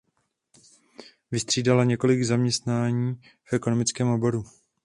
Vystřídala několik zaměstnání v ekonomickém oboru.